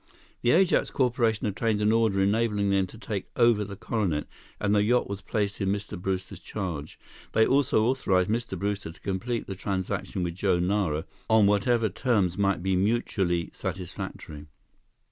The Ajax Corporation obtained an order enabling them to take over the Coronet, and the yacht was placed in Mr. Brewster's charge. They also authorized Mr. Brewster to complete the transaction with Joe Nara on whatever terms might be mutually satisfactory.